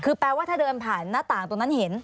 คือแปลว่าถ้าเดินผ่านหน้าต่างตรงนั้นเห็น